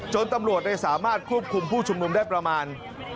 ตำรวจสามารถควบคุมผู้ชุมนุมได้ประมาณ